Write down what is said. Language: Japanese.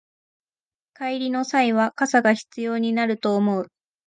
帰りの際は傘が必要になると思う